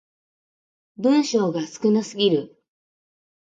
文章が少なすぎる